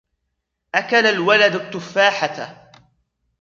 أكل الولد التفاحة